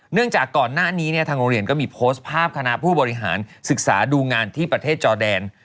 จากก่อนหน้านี้ทางโรงเรียนก็มีโพสต์ภาพคณะผู้บริหารศึกษาดูงานที่ประเทศจอแดน